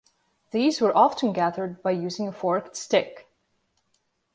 These were often gathered by using a forked stick.